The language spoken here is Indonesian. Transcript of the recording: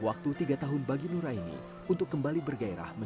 makin banyak berbagi ilmu